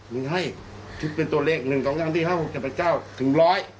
มึงให้คิดเป็นตัวเลขหนึ่งสองสองสี่ห้าหกเจ็บประเจ้าถึงร้อย